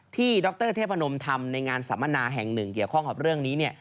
ดรเทพนมทำในงานสัมมนาแห่งหนึ่งเกี่ยวข้องกับเรื่องนี้